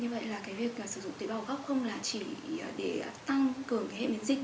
như vậy là cái việc sử dụng tế bào gốc không là chỉ để tăng cường cái hệ miễn dịch